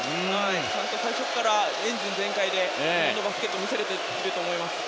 ちゃんと最初からエンジン全開で日本のバスケットを見せていると思います。